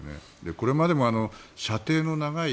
これまでも射程の長い